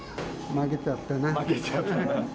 負けちゃった。